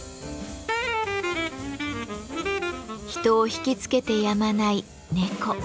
人を惹きつけてやまない猫。